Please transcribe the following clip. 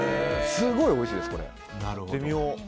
すごいおいしいです、これ。